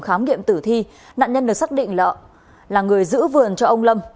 khám nghiệm tử thi nạn nhân được xác định là người giữ vườn cho ông lâm